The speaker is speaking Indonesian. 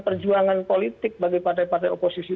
perjuangan politik bagi partai partai oposisi